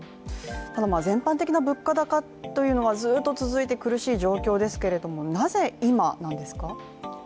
全般的な物価高というのはずっと続いて苦しいわけなんですがなぜ今なんですか？